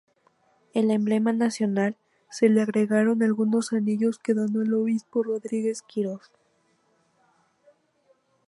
Al emblema nacional se le agregaron algunos anillos que donó el obispo Rodríguez Quirós.